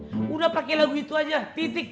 sudah pakai lagu itu aja titik